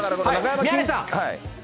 宮根さん。